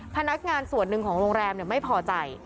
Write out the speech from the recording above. พนักงานส่วนหนึ่งของโรงแรมไม่พอใจ